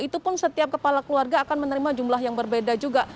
itu pun setiap kepala keluarga akan menerima jumlah yang berbeda juga